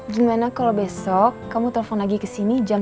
gimana kalau besok kamu telfon lagi kesini jam tujuh